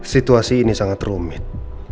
situasi ini sangat rumit